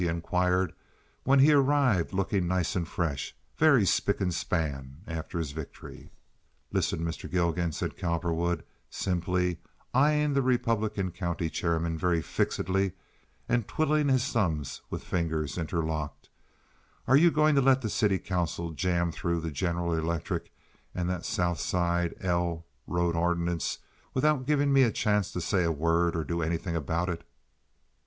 he inquired, when he arrived looking nice and fresh, very spick and span after his victory. "Listen, Mr. Gilgan," said Cowperwood, simply, eying the Republican county chairman very fixedly and twiddling his thumbs with fingers interlocked, "are you going to let the city council jam through the General Electric and that South Side 'L' road ordinance without giving me a chance to say a word or do anything about it?"